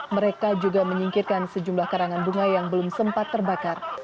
mereka juga menyingkirkan sejumlah karangan bunga yang belum sempat terbakar